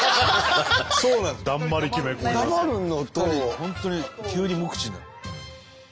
本当に急に無口になる。